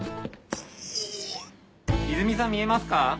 イズミさん見えますか？